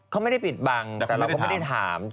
เขาไม่ได้ปิดบังแต่เราก็ไม่ได้ถาม